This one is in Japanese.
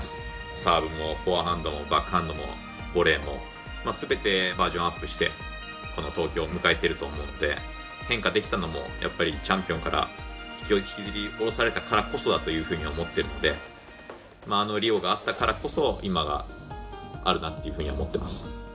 サーブもフォアハンドもバックハンドもボレーもすべてバージョンアップしてこの東京を迎えてると思うんで変化できたのもやっぱりチャンピオンから引きずり下ろされたからこそだというふうに思ってるのであのリオがあったからこそ今があるなっていうふうに思ってます。